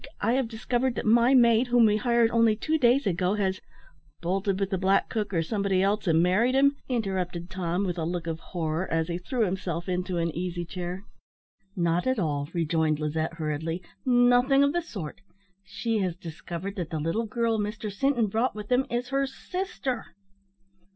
I have discovered that my maid, whom we hired only two days ago, has " "Bolted with the black cook, or somebody else, and married him," interrupted Tom, with a look of horror, as he threw himself into any easy chair. "Not at all," rejoined Lizette, hurriedly; "nothing of the sort; she has discovered that the little girl Mr Sinton brought with him is her sister."